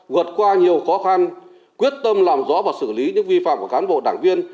vượt qua nhiều khó khăn quyết tâm làm rõ và xử lý những vi phạm của cán bộ đảng viên